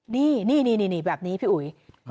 นี่แบบนี้พี่อุ๋ย